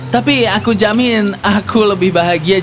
tapi aku jamin aku lebih bahagia